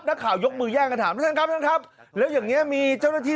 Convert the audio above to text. นักข่าวยกมือแย่งกันถามท่านครับท่านครับแล้วอย่างเงี้มีเจ้าหน้าที่